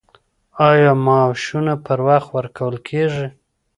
آیا معاشونه پر وخت ورکول کیږي؟